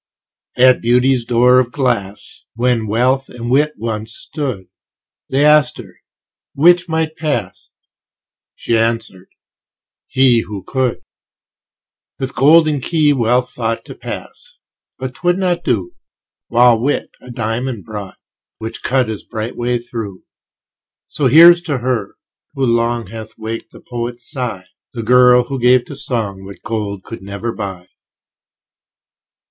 At Beauty's door of glass, When Wealth and Wit once stood, They asked her 'which might pass?" She answered, "he, who could." With golden key Wealth thought To pass but 'twould not do: While Wit a diamond brought, Which cut his bright way through. So here's to her, who long Hath waked the poet's sigh, The girl, who gave to song What gold could never buy.